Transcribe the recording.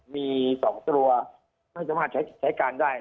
มี๒ตัวไม่สามารถใช้การได้